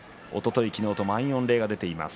満員御礼が出ています。